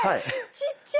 ちっちゃい！